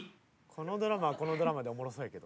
このドラマはこのドラマでおもろそうやけど。